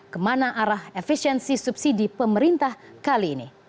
kemana arah efisiensi subsidi pemerintah kali ini